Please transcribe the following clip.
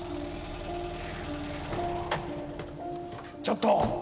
ちょっと！